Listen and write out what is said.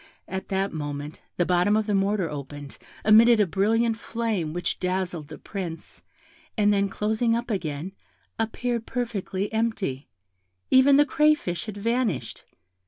At that moment the bottom of the mortar opened, emitted a brilliant flame, which dazzled the Prince, and then closing up again, appeared perfectly empty; even the crayfish had vanished.